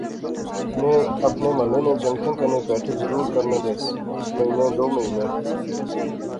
میں اپنے محلے نے جنگتیں کنے بیٹھک ضرور کرنا دیس، مہینے دو مہینے